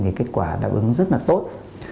thì kết quả đáp ứng rất là tốt